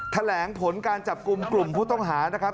แถลงผลการจับกลุ่มกลุ่มผู้ต้องหานะครับ